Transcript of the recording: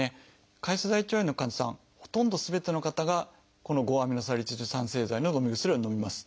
潰瘍性大腸炎の患者さんほとんどすべての方がこの５−アミノサリチル酸製剤ののみ薬をのみます。